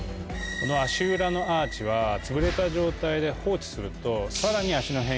足裏のアーチはつぶれた状態で放置するとさらに。